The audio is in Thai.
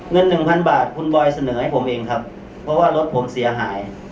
หนึ่งพันบาทคุณบอยเสนอให้ผมเองครับเพราะว่ารถผมเสียหาย